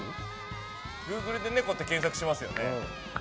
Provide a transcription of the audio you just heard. グーグルで猫って検索しますよね。